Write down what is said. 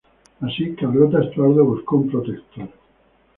Así, Carlota Estuardo buscó un protector.